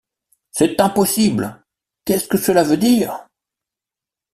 C’est impossible ! qu’est-ce que cela veut dire ?...